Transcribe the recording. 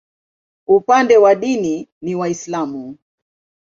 Upande wa dini ni Waislamu.